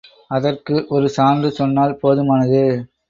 அதற்கு ஒரு சான்று சொன்னால் போதுமானது.